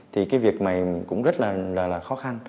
thì cái việc này cũng rất là khó khăn